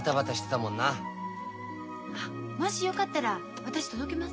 もしよかったら私届けます。